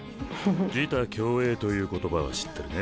「自他共栄」ということばは知ってるね？